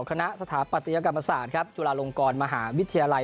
สถาปัตยกรรมศาสตร์ครับจุฬาลงกรมหาวิทยาลัย